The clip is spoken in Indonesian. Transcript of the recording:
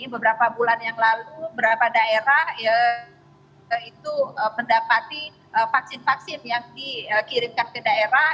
beberapa bulan yang lalu beberapa daerah itu mendapati vaksin vaksin yang dikirimkan ke daerah